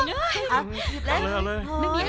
อ๋อเอาเลย